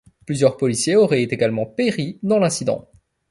Plusieurs policiers auraient également péri dans l'incident.